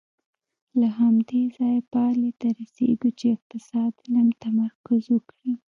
له همدې ځایه پایلې ته رسېږو چې اقتصاد علم تمرکز وکړي.